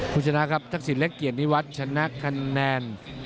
คุณชนะครับทักษิณเล็กเกียรตินิวัฒน์ชนะคะแนน